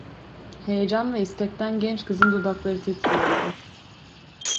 Heyecan ve istekten genç kızın dudakları titriyordu.